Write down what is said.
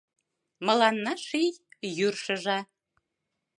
Мыланна ший йӱр шыжа!